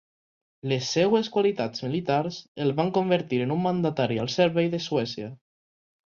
Les seves qualitats militars el van convertir en un mandatari al servei de Suècia.